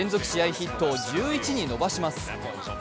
ヒットを１１に伸ばします。